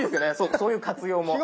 そういう活用も。